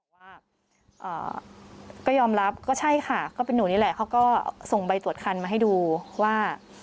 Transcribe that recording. ว่าก็ยอมรับก็ใช่ค่ะก็เป็นหนูนี่แหละเขาก็ส่งใบตรวจคันมาให้ดูว่า